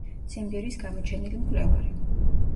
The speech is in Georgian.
ციმბირის გამოჩენილი მკვლევარი.